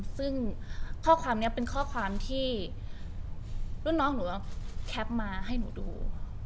ซึ่งข้อความนี้เป็นข้อความที่รุ่นน้องหนูเอาแคปมาให้หนูดู